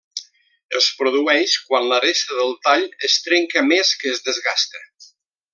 Es produeix quan l'aresta del tall es trenca més que es desgasta.